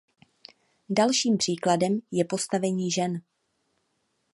Dalším příkladem je postavení žen.